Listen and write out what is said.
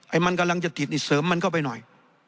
มันกำลังจะติดนี่เสริมมันเข้าไปหน่อย